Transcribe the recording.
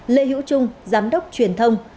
lê hữu trung giám đốc truyền thông